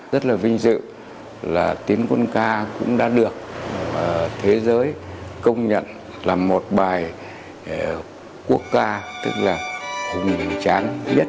rất là vinh dự là tiến quân ca cũng đã được thế giới công nhận là một bài quốc ca tức là hùng tráng nhất